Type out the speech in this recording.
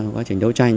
quá trình đấu tranh